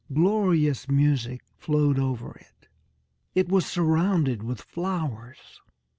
Glorious music flowed over it. It was surrounded with flowers.